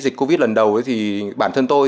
dịch covid lần đầu thì bản thân tôi